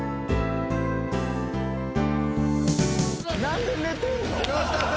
何で寝てんの？